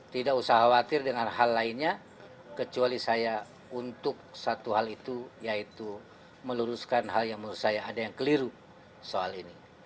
tidak usah khawatir dengan hal lainnya kecuali saya untuk satu hal itu yaitu meluruskan hal yang menurut saya ada yang keliru soal ini